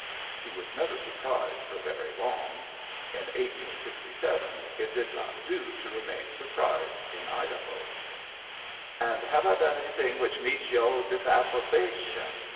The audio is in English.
He was never surprised for very long. In 1867 it did not do to remain surprised in Idaho. "And have I done anything which meets yoh disapprobation?"